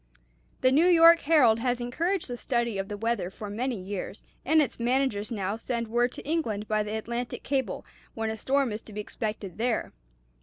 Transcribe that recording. "The New York Herald has encouraged the study of the weather for many years, and its managers now send word to England by the Atlantic cable when a storm is to be expected there.